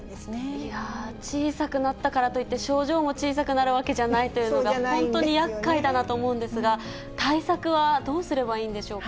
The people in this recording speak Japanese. いやー、小さくなったからといって、症状も小さくなるわけじゃないというのが本当にやっかいだなと思うんですが、対策はどうすればいいんでしょうか。